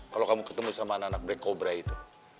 kalo kamu ketemu sama anak anak black cobra itu